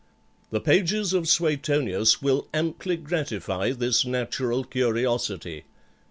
The pages of Suetonius will amply gratify this natural curiosity.